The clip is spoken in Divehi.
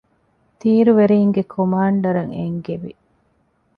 ތީރުވެރީންގެ ކޮމާންޑަރަށް އެންގެވި